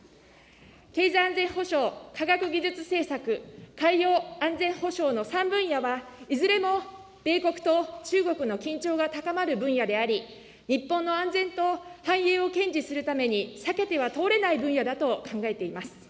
経済安全保障、科学技術政策、海洋安全保障の３分野は、いずれも米国と中国の緊張が高まる分野であり、日本の安全と繁栄を堅持するために、避けては通れない分野だと考えています。